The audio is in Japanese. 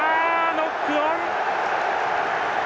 ノックオン！